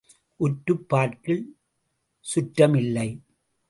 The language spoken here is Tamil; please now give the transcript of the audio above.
உற்றுப் பார்க்கில் சுற்றம் இல்லை.